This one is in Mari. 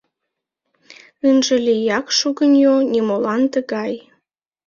Ынже лияк шугыньо Нимолан тыгай.